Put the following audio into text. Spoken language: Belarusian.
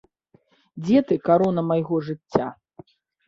Дзе ты, карона майго жыцця?